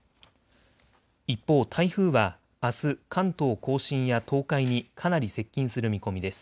一方、台風はあす関東甲信や東海にかなり接近する見込みです。